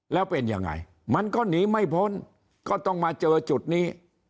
แล้วเป็นยังไงมันก็หนีไม่พ้นก็ต้องมาเจอจุดนี้